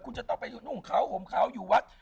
คุณจะต้องไปอยู่ทุ่งเขาห่มเขาอยู่วัด